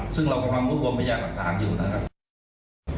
ซึ่งเรากับความธุระเอามาใหญ่ก็ถามอยู่นะครับ